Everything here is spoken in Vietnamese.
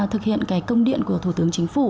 thực hiện công điện của thủ tướng chính phủ